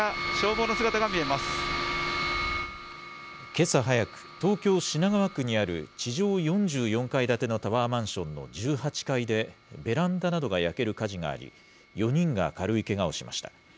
けさ早く、東京・品川区にある地上４４階建てのタワーマンションの１８階で、ベランダなどが焼ける火事があり、４人が軽いけがをしました。